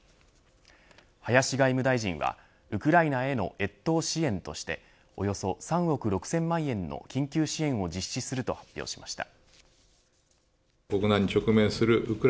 林外務大臣はウクライナへの越冬支援としておよそ３億６０００万円の緊急支援を実施すると発表しました。